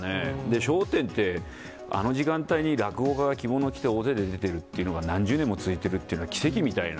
笑点って、あの時間帯に落語家が着物着て大勢で出てるって、何十年も続いてるっていうのは奇跡みたいな。